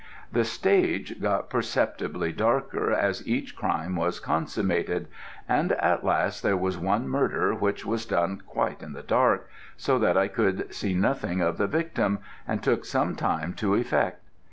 The stage got perceptibly darker as each crime was consummated, and at last there was one murder which was done quite in the dark, so that I could see nothing of the victim, and took some time to effect.